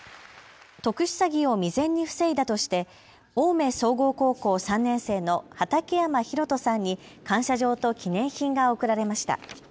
特殊詐欺を未然に防いだとして青梅総合高校３年生の畠山丈翔さんに感謝状と記念品が贈られました。